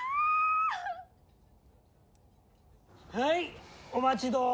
はいお待ちどお！